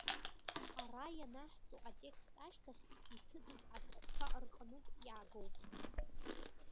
Ара ианаҳҵо атекст ашьҭахь иҭыҵыз ашәҟәқәа рҟнытә иаагоуп.